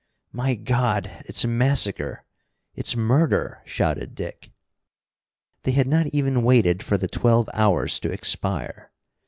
"My God, it's massacre! It's murder!" shouted Dick. They had not even waited for the twelve hours to expire.